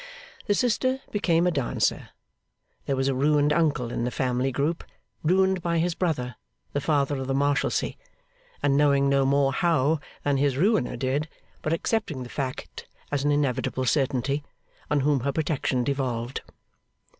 The sister became a dancer. There was a ruined uncle in the family group ruined by his brother, the Father of the Marshalsea, and knowing no more how than his ruiner did, but accepting the fact as an inevitable certainty on whom her protection devolved.